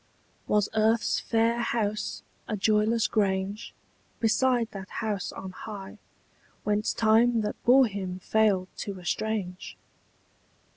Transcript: Was earth's fair house a joyless grange Beside that house on high Whence Time that bore him failed to estrange?